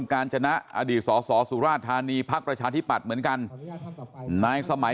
การจนะอดีตสสสุราชธานีพักประชาธิปัตย์เหมือนกันนายสมัย